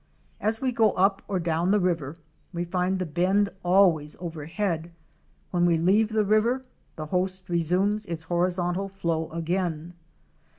As we go up or down river, we find the bend always overhead; 'when we leave the river, the host resumes its horizontal flow again.